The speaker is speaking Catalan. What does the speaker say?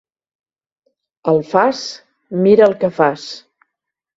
Alfàs, mira el que fas.